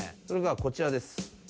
それがこちらです。